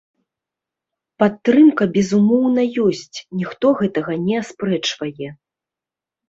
Падтрымка, безумоўна, ёсць, ніхто гэтага не аспрэчвае.